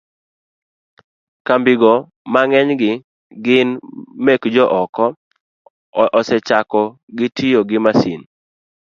kambigo mang'eny gi gin mekjo oko, asechako gi tiyo gi masin